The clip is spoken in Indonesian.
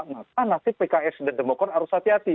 maka nasib pks dan demokrat harus hati hati